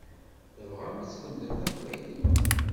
Tebɣam ad tlemdem taqbaylit?